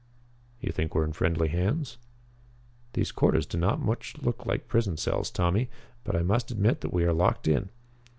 "You think we are in friendly hands?" "These quarters do not look much like prison cells, Tommy, but I must admit that we are locked in.